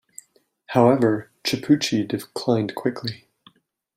However, Chiappucci declined quickly.